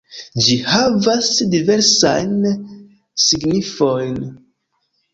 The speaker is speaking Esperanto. Ĝi havas diversajn signifojn.